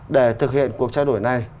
để thực hiện cuộc trao đổi này